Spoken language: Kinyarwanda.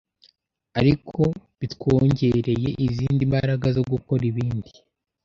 ariko bitwongereye izindi mbaraga zo gukora ibindi